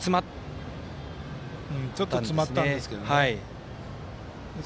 ちょっと詰まったんですけどね。